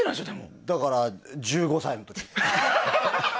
だから１５歳の時。